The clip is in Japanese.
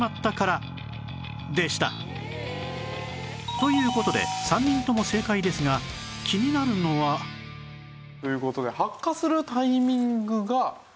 という事で３人とも正解ですが気になるのはという事で。